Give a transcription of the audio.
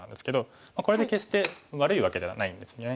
これで決して悪いわけではないんですね。